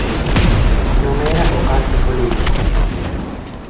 Non era o cántico lúdico.